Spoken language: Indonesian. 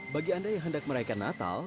bagi anda yang hendak meraihkan natal